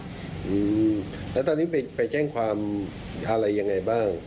อืมแล้วตอนนี้ไปแจ้งความอะไรยังไงบ้าง